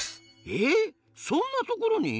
えっそんなところに？